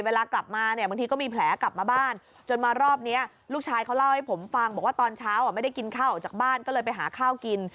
เวลากลับมาเนี่ยบางทีก็มีแผลกลับมาบ้านจนมารอบนี้ลูกชายเขาเล่าให้ผมฟังบอกว่าตอนเช้าไม่ได้กินข้าวออกจากบ้านก็เลยไปหาข้าวกิน